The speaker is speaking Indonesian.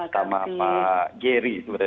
tanpa pak geri sebenarnya